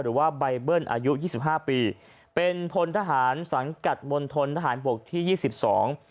หรือว่าใบเบิ้ลอายุยี่สิบห้าปีเป็นพลทหารสังกัดมณฑนทหารบกที่ยี่สิบสอง